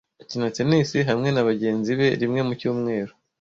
Akina tennis hamwe nabagenzi be rimwe mu cyumweru.